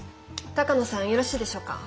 鷹野さんよろしいでしょうか？